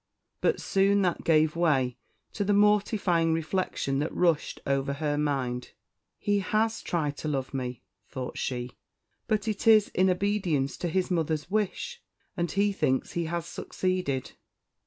But soon that gave way to the mortifying reflection that rushed over her mind, "He has tried to love me!" thought she; "but it is in obedience to his mother's wish, and he thinks he has succeeded.